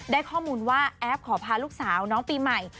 ได้ข้อมูลว่าแอฟขอพาลูกสาวน้องปีใหม่